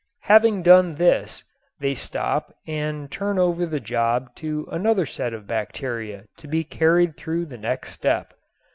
Having done this they stop and turn over the job to another set of bacteria to be carried through the next step.